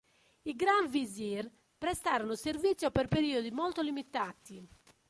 I Gran visir prestarono servizio per periodi molto limitati.